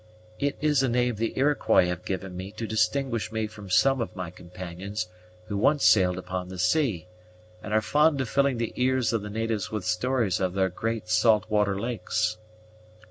"It is a name the Iroquois have given me to distinguish me from some of my companions who once sailed upon the sea, and are fond of filling the ears of the natives with stories of their great salt water lakes."